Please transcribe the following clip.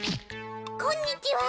こんにちは。